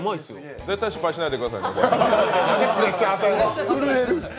絶対失敗しないでくださいね。